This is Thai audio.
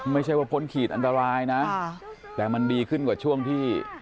ไม่ใช่ว่าพ้นขีดอันตรายนะแต่มันดีขึ้นกว่าช่วงที่